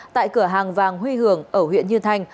tại cửa hàng vàng huy hưởng ở huyện như thanh